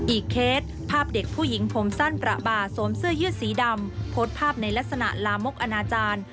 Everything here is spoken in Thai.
เคสภาพเด็กผู้หญิงผมสั้นประบาสวมเสื้อยืดสีดำโพสต์ภาพในลักษณะลามกอนาจารย์